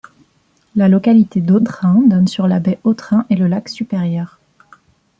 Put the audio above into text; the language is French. La localité d'Au Train donne sur la baie Au Train et le lac Supérieur.